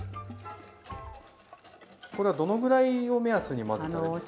これはどのぐらいを目安に混ぜたらいいですか？